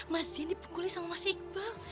mas zen dipungguli sama mas iqbal